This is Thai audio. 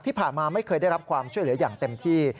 ไม่เคยได้รับความช่วยเหลืออย่างเต็มที่